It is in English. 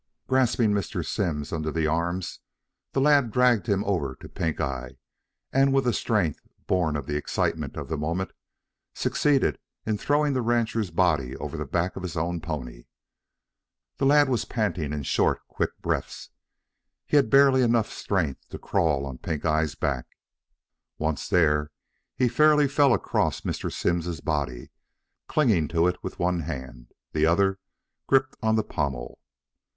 Grasping Mr. Simms under the arms, the lad dragged him over to Pink eye, and with a strength born of the excitement of the moment, succeeded in throwing the rancher's body over the back of his own pony. The lad was panting in short, quick breaths. He had barely enough strength left to crawl on Pink eye's back. Once there, he fairly fell across Mr. Simms's body, clinging to it with one hand, the other gripped on the pommel.